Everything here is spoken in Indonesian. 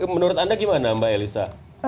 menurut anda gimana mbak elisa